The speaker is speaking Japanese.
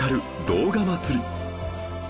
動画祭り